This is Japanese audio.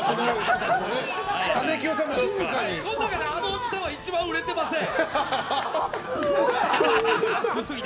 あのおじさんは一番売れてません。